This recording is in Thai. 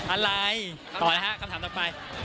อะไรต่อนะฮะคำถามต่อไป